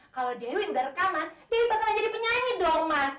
kalau dewi udah rekaman dewi bakalan jadi penyanyi dong mas